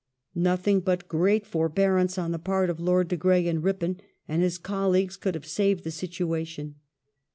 Nothing but great forbearance on the part of Lord de Grey and Ripon and his colleagues could have saved the situation.